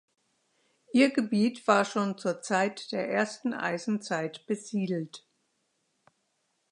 Ihr Gebiet war schon zur Zeit der ersten Eisenzeit besiedelt.